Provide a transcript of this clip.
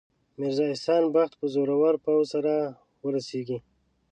میرزا احسان بخت به زورور پوځ سره ورسیږي.